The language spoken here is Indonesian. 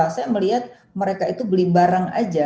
karena saya melihat mereka itu beli barang saja